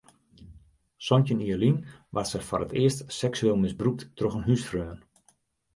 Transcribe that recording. Santjin jier lyn waard sy foar it earst seksueel misbrûkt troch in húsfreon.